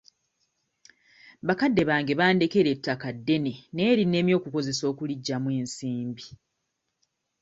Bakadde bange bandekera ettaka ddene naye linnemye okukozesa okuliggyamu ensimbi.